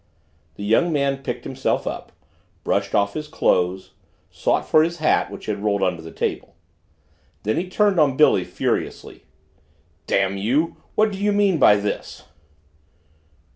The young man picked himself up, brushed off his clothes, sought for his hat, which had rolled under the table. Then he turned on Billy furiously. "Damn you what do you mean by this?"